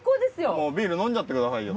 もうビール飲んじゃってくださいよ。